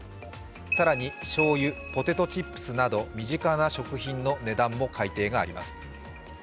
更に、しょうゆ、ポテトチップスなど身近な食品の値段も続々と上がります。